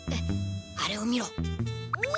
あれを見ろ。